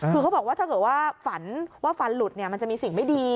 คือเขาบอกว่าถ้าเกิดว่าฝันว่าฟันหลุดเนี่ยมันจะมีสิ่งไม่ดี